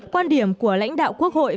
quan điểm của lãnh đạo quốc hội